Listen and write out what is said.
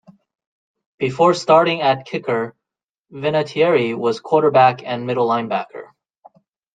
Before starting at kicker, Vinatieri was quarterback and middle linebacker.